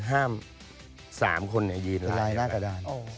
ห้าม๓คนยืนลายหน้ากระดาน